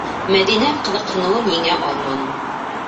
Мәҙинә ҡыҙыҡһыныуын еңә алманы: